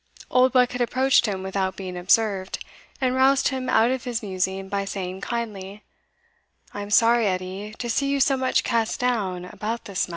Oldbuck had approached him without being observed, and roused him out of his musing by saying kindly, "I am sorry, Edie, to see you so much cast down about this matter."